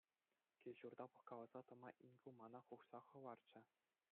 Кил-ҫурта пӑхкаласа тӑма инкӳ мана хушса хӑварчӗ.